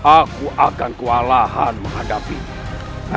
aku akan kewalahan menghadapinya